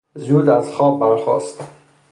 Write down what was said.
زود از خواب برخاست.